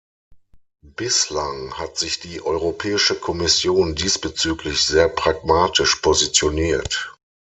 Bislang hat sich die Europäische Kommission diesbezüglich sehr pragmatisch positioniert.